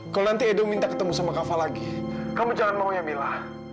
kalau nanti edo minta ketemu sama kava lagi kamu jangan mau ya mila